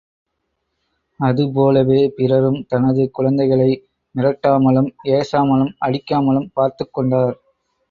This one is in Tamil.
அது போலவே, பிறரும் தனது குழந்தைகளை மிரட்டாமலும், ஏசாமலும், அடிக்காமலும் பார்த்துக் கொண்டார்.